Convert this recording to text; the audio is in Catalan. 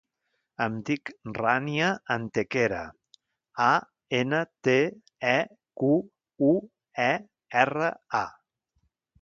Em dic Rània Antequera: a, ena, te, e, cu, u, e, erra, a.